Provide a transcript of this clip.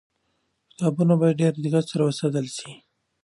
کتابونه باید په ډېر دقت سره وساتل سي.